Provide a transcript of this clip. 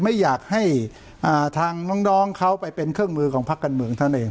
ไม่อยากให้ทางน้องเขาไปเป็นเครื่องมือของพักกันเมืองเท่านั้นเอง